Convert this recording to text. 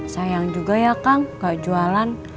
sayang juga ya kang kalau jualan